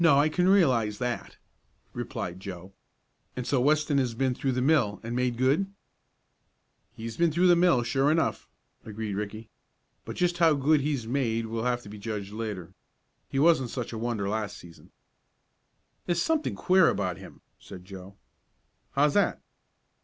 "No, I can realize that," replied Joe. "And so Weston has been through the mill, and made good?" "He's been through the mill, that's sure enough," agreed Ricky, "but just how good he's made will have to be judged later. He wasn't such a wonder last season." "There's something queer about him," said Joe. "How's that?"